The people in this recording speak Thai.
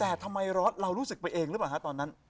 แต่ทำไมร้อนเรารู้สึกไปเองหรือเปล่าฮะตอนนั้น